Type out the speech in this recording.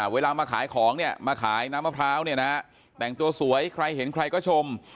เวลามาขายของเนี่ยมาขายน้ำมะพร้าวเนี่ยนะแต่งตัวสวยใครเห็นใครก็ชม